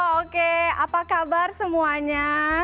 oke apa kabar semuanya